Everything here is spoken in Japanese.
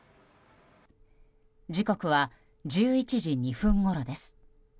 時刻は１１時２分ごろです。